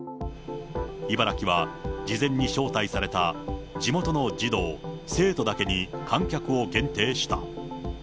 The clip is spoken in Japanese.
茨城は事前に招待された地元の児童・生徒だけに観客を限定した。